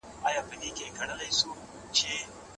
کمپيوټر فکر تنظيموي.